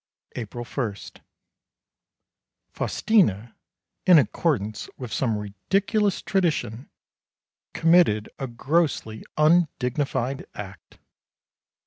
April 1. Faustina, in accordance with some ridiculous tradition, committed a grossly undignified act.